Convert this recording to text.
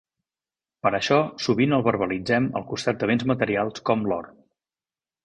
Per això sovint el verbalitzem al costat de béns materials com l'or.